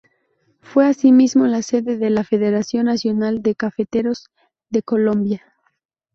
Fue asimismo la sede de la Federación Nacional de Cafeteros de Colombia.